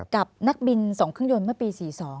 กับนักบิน๒เครื่องยนต์เมื่อปี๔๒